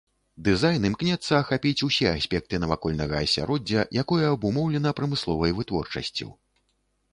Дызайн імкнецца ахапіць усе аспекты навакольнага асяроддзя, якое абумоўлена прамысловай вытворчасцю.